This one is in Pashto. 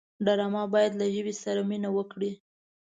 ډرامه باید له ژبې سره مینه وکړي